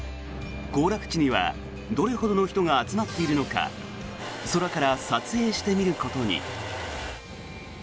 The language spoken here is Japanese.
行楽地にはどれほどの人が集まっているのか空から撮影してみることに。